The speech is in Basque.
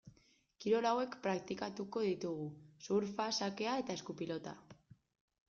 Kirol hauek praktikatuko ditugu: surfa, xakea eta eskupilota.